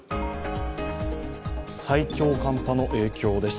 最強寒波の影響です。